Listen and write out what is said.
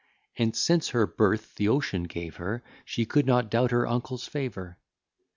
_ And, since her birth the ocean gave her, She could not doubt her uncle's favour.